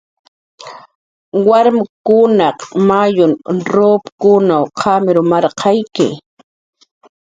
warmkunaq mayun rup qamir marqayawi